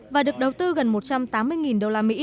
và được đầu tư gần một trăm tám mươi usd